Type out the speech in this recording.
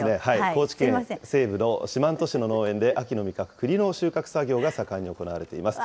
高知県西部の四万十市の農園で、秋の味覚、くりの収穫作業が盛んに行われています。